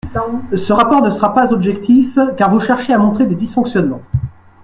Ce rapport ne sera pas objectif car vous cherchez à montrer des dysfonctionnements.